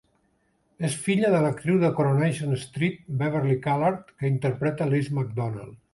És filla de l'actriu de "Coronation Street", Beverley Callard, que interpreta Liz McDonald.